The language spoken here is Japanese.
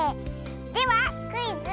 では「クイズ！